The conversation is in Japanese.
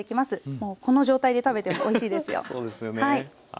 もうこの状態で食べてもおいしいですよ。